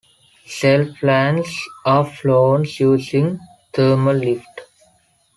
Sailplanes are flown using thermal lift.